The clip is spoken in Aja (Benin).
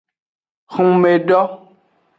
Hunmedo.